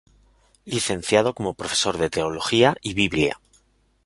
Licenciado como Profesor de Teología y Biblia.